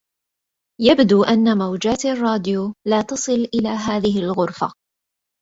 يبدو أن موجات الراديو لا تصل إل هذه الغرفة.